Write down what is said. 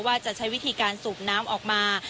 ว่าจะใช้วิธีการสูบน้ำออกมา